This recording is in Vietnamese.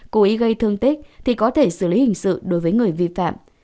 cố ý gây thương tích thì có thể xử lý hình sự đối với người vi phạm